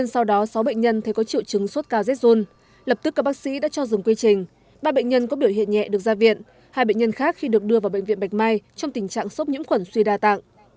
sau đó sáu bệnh nhân thấy có triệu chứng sốt cao z zone lập tức các bác sĩ đã cho dùng quy trình ba bệnh nhân có biểu hiện nhẹ được ra viện hai bệnh nhân khác khi được đưa vào bệnh viện bạch mai trong tình trạng sốc nhiễm khuẩn suy đa tạng